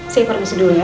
saya permisi dulu ya pak